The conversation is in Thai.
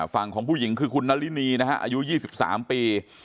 ฝั่งของผู้หญิงคือคุณนารินีนะฮะอายุ๒๓ปี